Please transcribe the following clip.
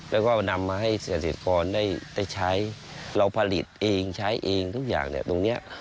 แล้วก็นำมาให้เกษตรกรได้ใช้เราผลิตเองใช้เองทุกอย่างเนี่ยตรงเนี้ย